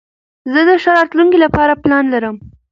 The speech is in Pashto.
زه د ښه راتلونکي له پاره پلان لرم.